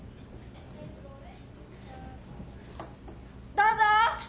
どうぞ！